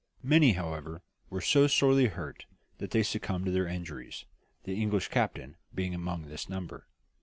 Many, however, were so sorely hurt that they succumbed to their injuries, the English captain being among this number.